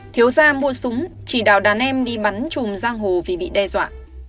thiếu ra mua súng chỉ đạo đàn em đi bắn trùm giang hồ vì bị đe dọa